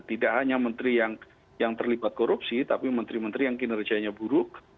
tidak hanya menteri yang terlibat korupsi tapi menteri menteri yang kinerjanya buruk